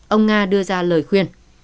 ông nga đưa ra lời khuyên